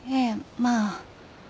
まあ。